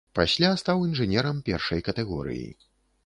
Пасля стаў інжынерам першай катэгорыі.